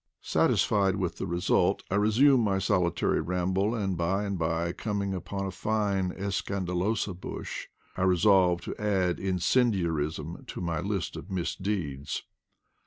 Satisfied with the result, I resume my solitary ramble, and by and by coming upon a fine Escan dalosa bush I resolve to add incendiarism to my list of misdeeds.